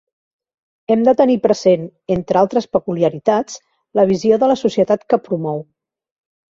Hem de tenir present, entre altres peculiaritats, la visió de la societat que promou.